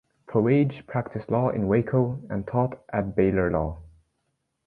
Poage practiced law in Waco and taught at Baylor Law.